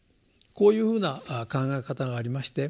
こういうふうな考え方がありまして。